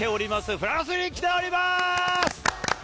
フランスに来ています！